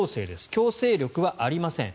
強制力はありません。